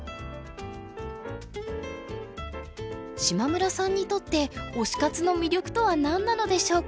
島村さんにとって推し活の魅力とは何なのでしょうか？